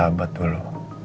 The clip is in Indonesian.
kita sahabat dulu